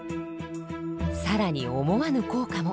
更に思わぬ効果も。